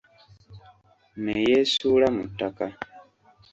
Neyeesuula mu ttaka.